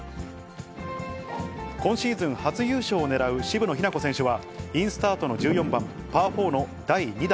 今シーズン初優勝を狙う渋野日向子選手は、インスタートの１４番、パーショットの第２打。